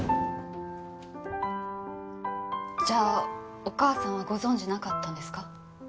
じゃあお母さんはご存じなかったんですか？